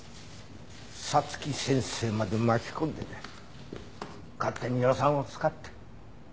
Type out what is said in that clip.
早月先生まで巻き込んで勝手に予算を使って。